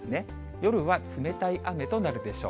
夜は冷たい雨となるでしょう。